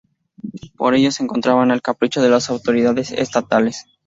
Por ello, se encontraban al capricho de las autoridades estatales.